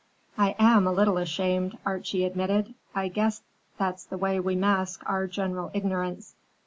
"I am a little ashamed," Archie admitted. "I guess that's the way we mask our general ignorance.